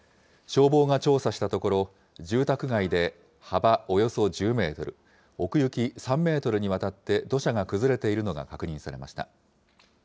消防が調査したところ、住宅街で幅およそ１０メートル、奥行き３メートルにわたって土砂が崩れているのが確認されました。